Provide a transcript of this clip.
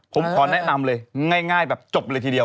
ผมขอแนะนำเลยง่ายแบบจบเลยทีเดียว